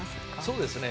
そうですね